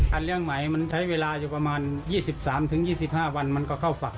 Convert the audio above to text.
เลี้ยงใหม่มันใช้เวลาอยู่ประมาณ๒๓๒๕วันมันก็เข้าฝัก